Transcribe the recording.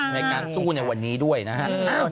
ในการสู้ในวันนี้ด้วยนะครับ